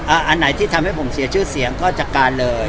อันไหนที่ทำให้ผมเสียชื่อเสียงก็จัดการเลย